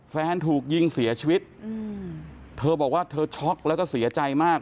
แฟนถูกยิงเสียชีวิตเธอบอกว่าเธอช็อกแล้วก็เสียใจมาก